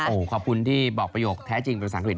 โอ้ขอบคุณที่บอกประโยคแท้จริงเป็นศังคลิป